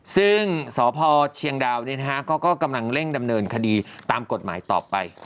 ซึ่งสพเชียงดาวก็กำลังเร่งดำเนินคดีตามกฎหมายต่อไป